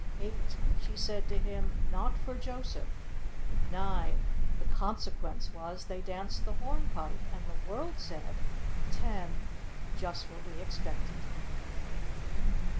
(8) She said to him: "Not for Joseph;" (9) the consequence was they danced the hornpipe, and the world said: (10) "Just what we expected."